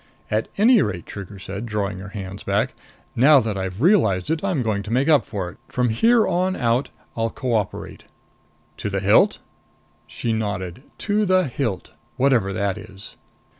"At any rate," Trigger said, drawing her hands back, "now that I've realized it, I'm going to make up for it. From here on out, I'll cooperate." "To the hilt?" She nodded. "To the hilt! Whatever that is."